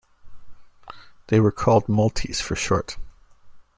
They were called "Multis" for short.